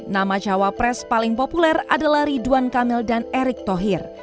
nama cawapres paling populer adalah ridwan kamil dan erick thohir